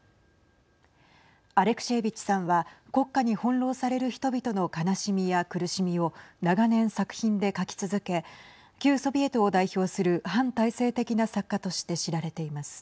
アレクシェービッチさんは国家に翻弄される人々の悲しみや苦しみを長年、作品で書き続け旧ソビエトを代表する反体制的な作家として知られています。